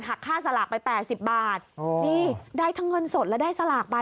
หักค่าสลากไป๘๐บาทนี่ได้ทั้งเงินสดและได้สลากไป